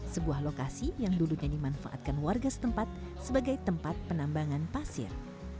sebuah lokasi yang duduknya dimanfaatkan warga setempat sebagai tempat penambangan pasir